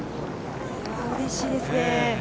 うれしいですね。